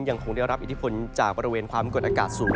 ยังคงได้รับอิทธิพลจากบริเวณความกดอากาศสูง